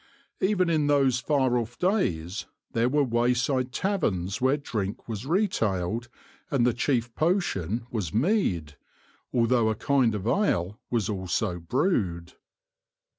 Even in those far off days there were wayside taverns where drink was retailed and the chief potion was mead, although a kind of ale was also brewed.